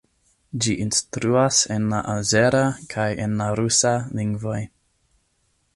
Ĝi instruas en la azera kaj en la rusa lingvoj.